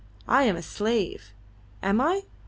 I am a slave! Am I?